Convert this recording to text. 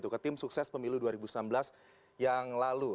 ketim sukses pemilu dua ribu sembilan belas yang lalu